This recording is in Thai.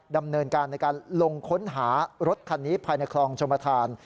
ดำเนินการในการลงค้นหารถคันนี้ภายในคลองชมธาน